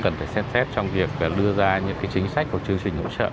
cần phải xem xét trong việc đưa ra những chính sách của chương trình hỗ trợ